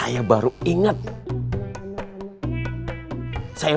mau beli rotan